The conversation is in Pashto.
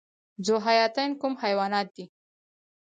ذوحیاتین کوم حیوانات دي؟